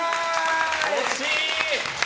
惜しい！